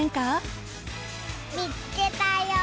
見つけたよ。